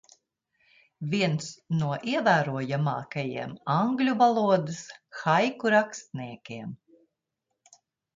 Viens no ievērojamākajiem angļu valodas haiku rakstniekiem.